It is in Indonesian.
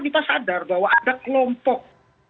kita sadar bahwa ada kelompok